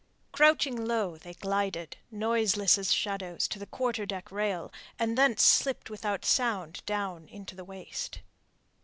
Crouching low, they glided, noiseless as shadows, to the quarter deck rail, and thence slipped without sound down into the waist.